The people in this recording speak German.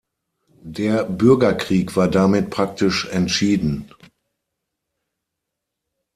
Der Bürgerkrieg war damit praktisch entschieden.